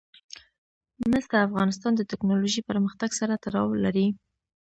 مس د افغانستان د تکنالوژۍ پرمختګ سره تړاو لري.